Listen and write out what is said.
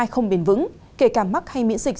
không bền vững kể cả mắc hay miễn dịch